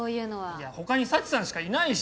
いや他に佐知さんしかいないし。